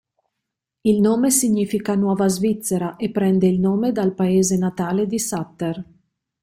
Il nome significa "Nuova Svizzera" e prende il nome dal paese natale di Sutter.